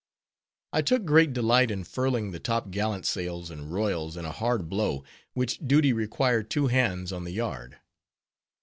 I took great delight in furling the top gallant sails and royals in a hard blow; which duty required two hands on the yard.